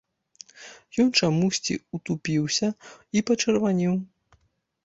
Ён чамусьці ўтупіўся і пачырванеў.